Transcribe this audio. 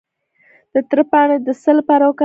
د تره پاڼې د څه لپاره وکاروم؟